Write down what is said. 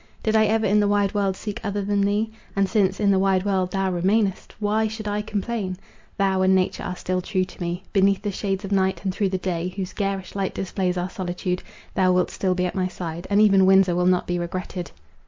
Did I ever in the wide world seek other than thee? And since in the wide world thou remainest, why should I complain? Thou and nature are still true to me. Beneath the shades of night, and through the day, whose garish light displays our solitude, thou wilt still be at my side, and even Windsor will not be regretted."